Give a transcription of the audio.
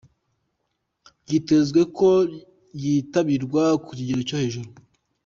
Byitezwe ko yitabirwa ku kigero cyo hejuru.